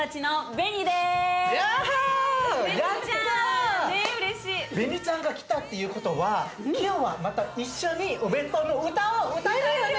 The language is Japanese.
ベニちゃんが来たっていうことは今日はまた一緒にお弁当の歌を歌えるよね！